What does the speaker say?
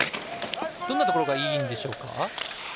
どんなところがいいんでしょう。